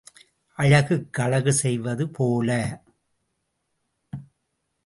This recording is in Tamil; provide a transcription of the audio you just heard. அழகுக்கு அழகு செய்வது போல.